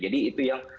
jadi itu yang